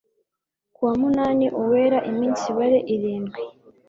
kuwa munani uwera iminsi ubare irindwi